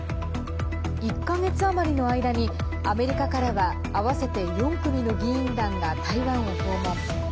１か月余りの間にアメリカからは合わせて４組の議員団が台湾を訪問。